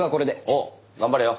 おお頑張れよ。